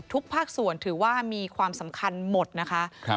ภาคส่วนถือว่ามีความสำคัญหมดนะคะ